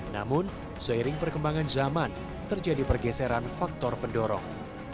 namun seiring perkembangan zaman terjadi pergeseran faktor pendorong